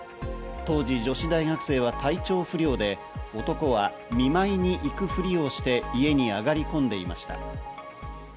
当時、女子大学生は体調不良で男は見舞いに行くふりをして家に上がり込んでいました。